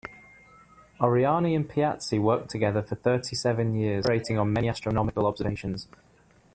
Oriani and Piazzi worked together for thirty-seven years, cooperating on many astronomical observations.